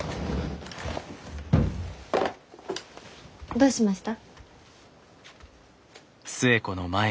どうしました？